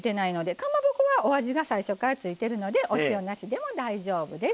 かまぼこはお味が最初からついているのでお塩なしでも大丈夫です。